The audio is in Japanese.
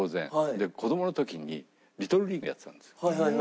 で子供の時にリトルリーグやってたんです。